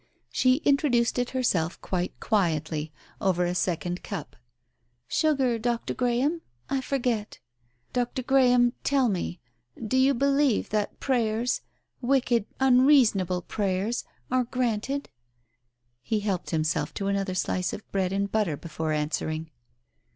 She introduced it herself, quite quietly, over a second cup. "Sugar, Dr. Graham? I forget. Dr. Graham, tell me, do you believe that prayers — wicked unreason able prayers — are granted ?" He helped himself to another slice of bread and butter before answering.